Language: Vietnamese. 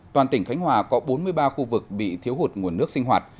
toàn tỉnh khánh hòa có bốn mươi ba khu vực bị thiếu hụt nguồn nước sinh hoạt